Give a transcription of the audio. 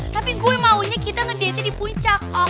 tapi gue maunya kita ngedate di puncak om